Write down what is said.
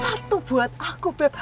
satu buat aku beb